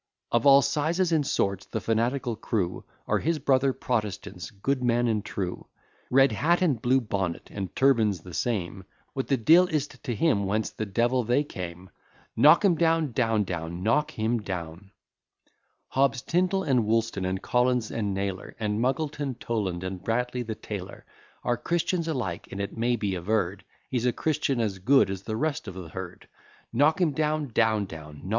Of all sizes and sorts, the fanatical crew Are his brother Protestants, good men and true; Red hat, and blue bonnet, and turban's the same, What the de'il is't to him whence the devil they came. Knock him down, etc. Hobbes, Tindal, and Woolston, and Collins, and Nayler, And Muggleton, Toland, and Bradley the tailor, Are Christians alike; and it may be averr'd, He's a Christian as good as the rest of the herd. Knock him down, etc.